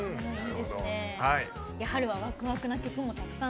春はワクワクな曲もたくさん。